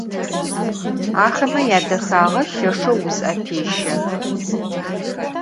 Axeme yadexağe lheşşeu vuzı'epêşe.